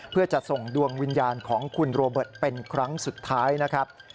เพื่อจะส่งดวงวิญญาณของคุณโรเบิร์ตเป็นครั้งสุดท้ายนะครับ